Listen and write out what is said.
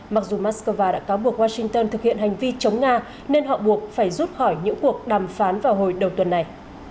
mặc dù moscow đã cáo buộc washington thực hiện hành vi chống nga nên họ buộc phải rút khỏi những cuộc đàm phán vào hồi đầu tuần này